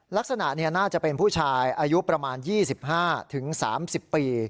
ลักษณะน่าจะเป็นผู้ชายอายุประมาณ๒๕๓๐ปี